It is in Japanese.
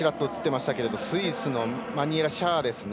スイスのマヌエラ・シェアですね。